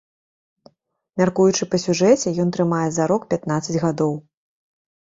Мяркуючы па сюжэце, ён трымае зарок пятнаццаць гадоў.